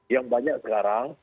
yang banyak sekarang